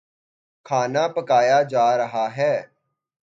کھانا پکایا جا رہا ہے